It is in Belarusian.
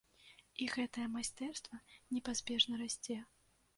І гэтае майстэрства непазбежна расце.